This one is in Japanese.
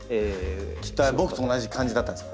きっと僕と同じ感じだったんですよ。